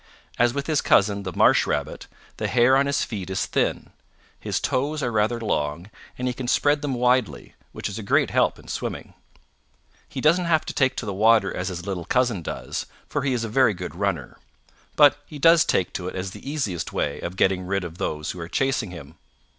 As with his cousin, the Marsh Rabbit, the hair on his feet is thin. His toes are rather long and he can spread them widely, which is a great help in swimming. He doesn't have to take to the water as his little cousin does, for he is a very good runner. But he does take to it as the easiest way of getting rid of those who are chasing him.